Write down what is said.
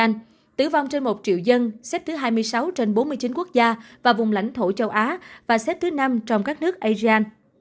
tổng số ca tử vong trên một triệu dân xếp thứ hai mươi sáu trên bốn mươi chín quốc gia và vùng lãnh thổ châu á và xếp thứ năm trong các nước asia